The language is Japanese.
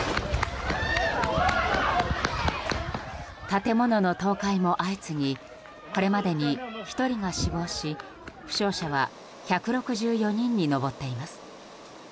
建物の倒壊も相次ぎこれまでに１人が死亡し負傷者は１６４人に上っています。